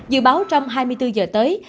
dự báo trong hai mươi bốn giờ tới